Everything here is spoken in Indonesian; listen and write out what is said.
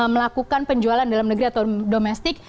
melakukan penjualan dalam negeri atau domestik